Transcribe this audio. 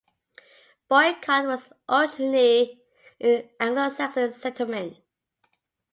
Boycott was originally an Anglo Saxon settlement.